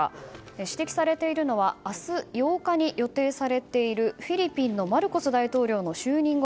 指摘されているのは明日８日に予定されているフィリピンのマルコス大統領の就任後